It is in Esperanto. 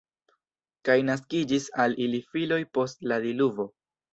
Kaj naskiĝis al ili filoj post la diluvo.